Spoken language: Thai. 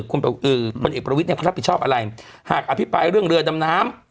พลเอกประวิทย์เนี่ยเขารับผิดชอบอะไรหากอภิปรายเรื่องเรือดำน้ำ